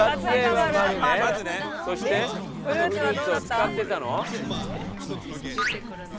そしてフルーツを使ってたの？